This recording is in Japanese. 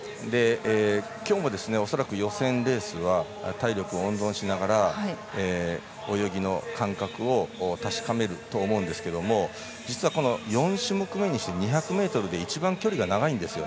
今日も恐らく予選レースは体力温存しながら泳ぎの感覚を確かめると思うんですけれども実は４種目めにして２００ｍで一番距離が長いんです。